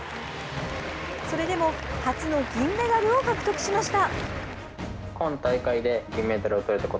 それでも初の銀メダルを獲得しました。